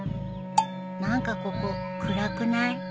何かここ暗くない？